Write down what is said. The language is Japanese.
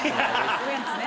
ウエンツね。